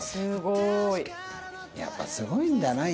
やっぱりすごいんだな